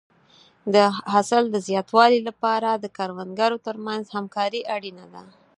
د حاصل د زیاتوالي لپاره د کروندګرو ترمنځ همکاري اړینه ده.